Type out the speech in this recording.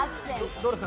どうですか？